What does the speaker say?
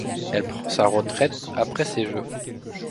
Elle prend sa retraite après ces Jeux.